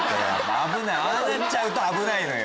あなっちゃうと危ないのよ。